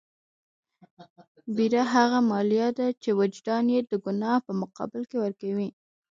بېره هغه مالیه ده چې وجدان یې د ګناه په مقابل کې ورکوي.